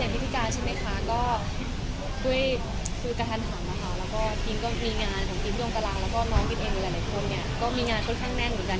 อย่างพิธิกาใช่ไหมคะก็ด้วยคือการถามนะคะแล้วก็ทีมก็มีงานของทีมดวงกะลาแล้วก็น้องพิธีเองกับหลายคนเนี่ยก็มีงานค่อนข้างแน่นเหมือนกัน